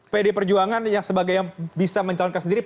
pd perjuangan yang sebagai yang bisa mencalonkan sendiri